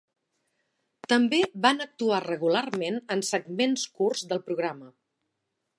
També van actuar regularment en segments curts del programa.